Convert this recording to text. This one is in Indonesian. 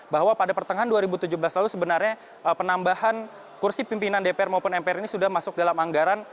bahwa pada pertengahan dua ribu tujuh belas lalu sebenarnya penambahan kursi pimpinan dpr maupun mpr ini sudah masuk dalam anggaran